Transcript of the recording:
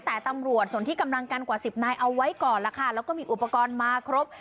แต่ตำรวจส่วนที่กำลังกันกว่าสิบนายเอาไว้ก่อนล่ะค่ะแล้วก็มีอุปกรณ์มาครบ